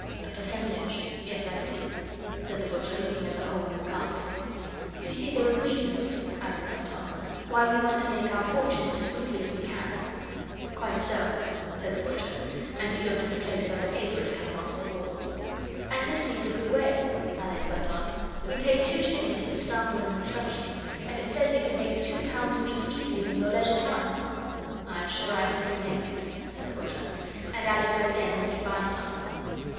'A percentage. Yes, I see,' said the butcher, looking at the hole in the carpet. 'You see there are reasons,' Alice went on, 'why we want to make our fortunes as quickly as we can.' 'Quite so,' said the butcher, and he looked at the place where the paper is coming off the wall. 'And this seems a good way,' Alice went on. 'We paid two shillings for the sample and instructions, and it says you can make two pounds a week easily in your leisure time.' 'I'm sure I hope you may, miss,' said the butcher. And Alice said again would he buy some?